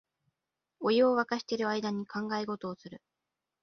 お湯をわかしてる間に考え事をする